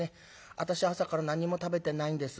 私は朝から何も食べてないんです」。